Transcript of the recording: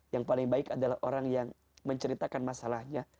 yang paling baik adalah orang yang menceritakan masalahnya